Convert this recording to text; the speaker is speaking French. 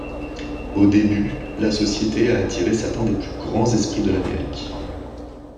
Au début, la Société a attiré certains des plus grands esprits de l'Amérique.